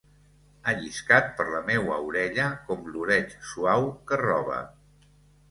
Ha lliscat per la meua orella com l’oreig suau que roba.